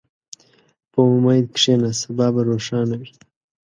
په امید کښېنه، سبا به روښانه وي.